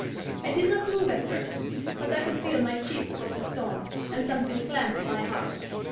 I did not move at first. But I could feel my cheeks go to stone, and something clamp my heart.